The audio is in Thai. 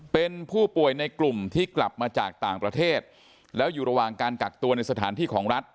เป็นผู้ป่วยในกลุ่มที่กลับมาจากต่างประเทศแล้วอยู่ระหว่างการกักตัวในสถานที่ของรัฐ